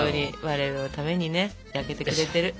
我々のためにね焼けてくれてる。